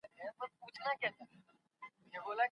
هغه پر وخت پوه سو او کار يې سم کړی.